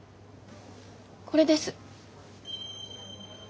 これです。